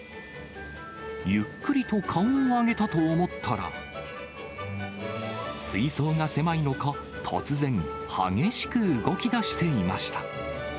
ゆっくりと顔を上げたと思ったら、水槽が狭いのか、突然、激しく動きだしていました。